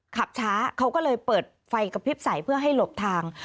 ขับช้าเขาก็เลยเปิดไฟกระพริบใสเพื่อให้หลบทาง